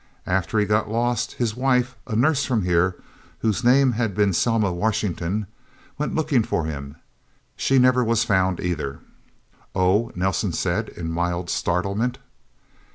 After he got lost, his wife a nurse from here whose name had been Selma Washington went looking for him. She never was found either." "Oh?" Nelsen said in mild startlement.